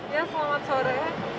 ya selamat sore